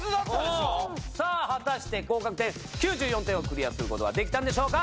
さぁ果たして合格点９４点をクリアすることはできたんでしょうか？